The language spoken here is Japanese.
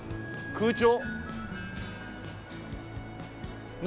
空調。